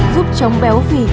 giúp chống béo phì